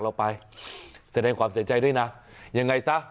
เราไปแสดงความเศษใจด้วยนะยังไงซะหมอเขา